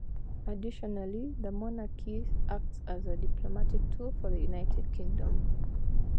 Additionally, the monarchy acts as a diplomatic tool for the United Kingdom.